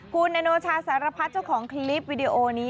คุณอโนชาสารพัดเจ้าของคลิปวิดีโอนี้